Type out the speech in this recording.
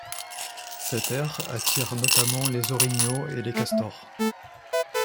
Cette aire attire notamment les orignaux et les castors.